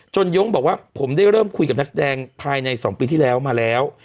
ยงบอกว่าผมได้เริ่มคุยกับนักแสดงภายใน๒ปีที่แล้วมาแล้ว